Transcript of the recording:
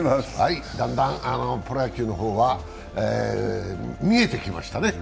だんだんプロ野球の方は見えてきましたね。